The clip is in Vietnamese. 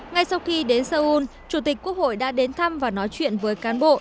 ngay sau khi đến seoul chủ tịch quốc hội đã đến thăm và nói chuyện với cán bộ